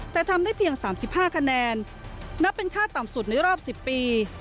แต่ทำได้เพียง๓๕คะแนนนับเป็นค่าต่ำสุดในรอบ๑๐ปี